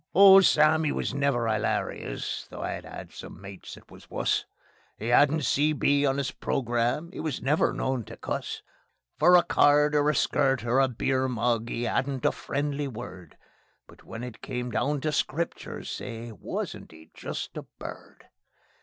Oh, Sam, he was never 'ilarious, though I've 'ad some mates as was wus; He 'adn't C. B. on his programme, he never was known to cuss. For a card or a skirt or a beer mug he 'adn't a friendly word; But when it came down to Scriptures, say! Wasn't he just a bird!